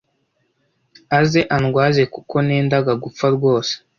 aze andwaze kuko nendaga gupfa rwose,